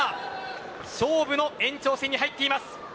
勝負の延長戦に入っています。